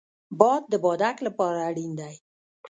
باد د بادک لپاره اړین دی